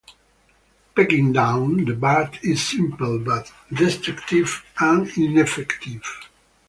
Pegging down the bat is simple, but destructive and ineffective.